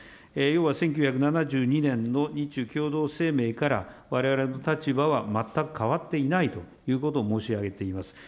要は１９７２年の日中共同声明からわれわれの立場は全く変わっていないということを申し上げています。